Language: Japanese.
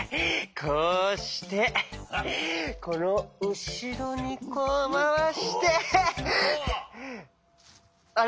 こうしてこのうしろにこうまわしてあれ？